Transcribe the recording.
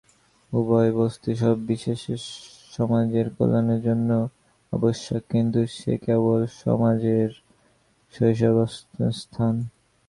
উভয় বস্তুই সময় বিশেষে সমাজের কল্যাণের জন্য আবশ্যক, কিন্তু সে কেবল সমাজের শৈশবাবস্থায়।